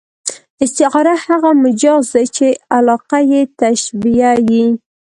استعاره هغه مجاز دئ، چي علاقه ئې تشبېه يي.